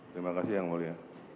terima kasih yang boleh